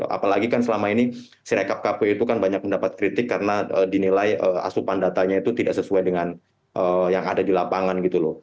apalagi kan selama ini si rekap kpu itu kan banyak mendapat kritik karena dinilai asupan datanya itu tidak sesuai dengan yang ada di lapangan gitu loh